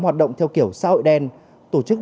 hoạt động theo kiểu xã hội đen tổ chức